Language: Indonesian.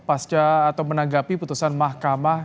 pasca atau menanggapi putusan mahkamah